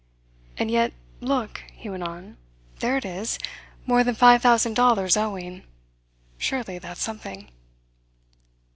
"And yet look," he went on. "There it is more than five thousand dollars owing. Surely that's something."